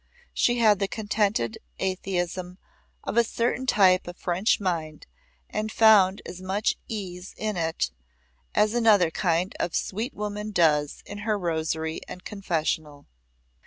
She had the contented atheism of a certain type of French mind and found as much ease in it as another kind of sweet woman does in her rosary and confessional.